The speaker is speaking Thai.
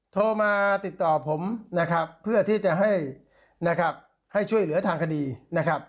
โทรมาติดต่อผมนะครับเพื่อที่จะให้นะครับให้ช่วยเหลือทางคดีนะครับ